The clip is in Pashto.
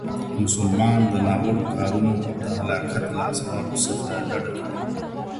مسلمان د ناوړو کارونو او د هلاکت له اسبابو څخه ډډه کوي.